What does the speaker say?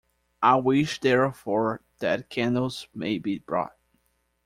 I wish therefore that candles may be brought.